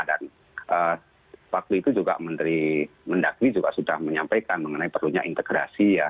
dan waktu itu juga menteri mendagwi juga sudah menyampaikan mengenai perlunya integrasi ya